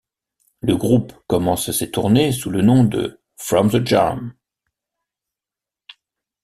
Le groupe commence ses tournées sous le nom de From The Jam.